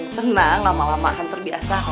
tenang lama lama akan terbiasa